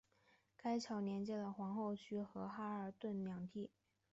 该桥连接了皇后区和曼哈顿两地。